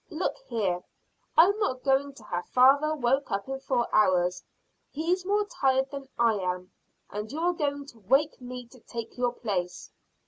"Look here, I'm not going to have father woke up in four hours. He's more tired than I am, and you are going to wake me to take your place."